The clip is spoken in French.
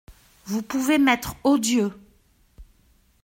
Vous pouvez m’être odieux !…